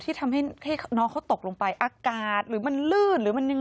ที่ทำให้น้องเขาตกลงไปอากาศหรือมันลื่นหรือมันยังไง